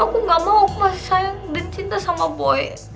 aku nggak mau aku masih sayang dan cinta sama boy